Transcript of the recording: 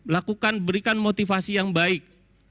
lakukan berikan motivasi yang baik